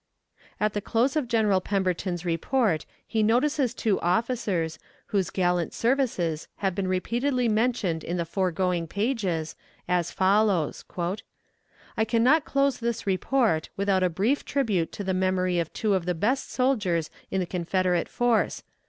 At the close of General Pemberton's report he notices two officers, whose gallant services have been repeatedly mentioned in the foregoing pages, as follows: "I can not close this report without brief tribute to the memory of two of the best soldiers in the Confederate service.